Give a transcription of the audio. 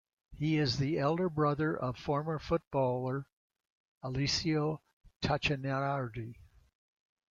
He is the elder brother of fellow former footballer Alessio Tacchinardi.